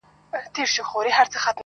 د قهر په وارونو کي کمبود هم ستا په نوم و_